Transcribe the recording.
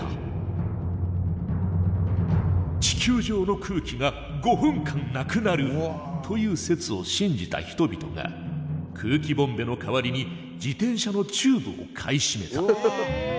「地球上の空気が５分間なくなる」という説を信じた人々が空気ボンベの代わりに自転車のチューブを買い占めた。